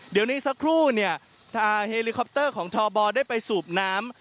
เดี๋ยวนี้สักครู่เนี่ยทางเฮลิคอปเตอร์ของทบได้ไปสูบน้ำ